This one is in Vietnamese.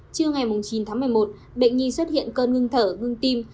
trưa ngày chín tháng một mươi một bệnh nhi xuất hiện cơn ngưng thở ngưng tim